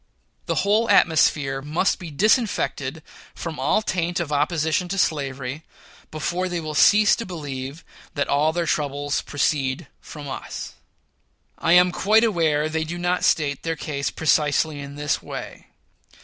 The whole atmosphere must be disinfected from all taint of opposition to slavery, before they will cease to believe that all their troubles proceed from us. I am quite aware they do not state their case precisely in this way.